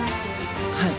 はい。